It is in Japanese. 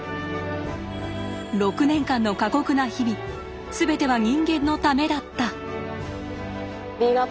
６年間の過酷な日々全ては人間のためだった！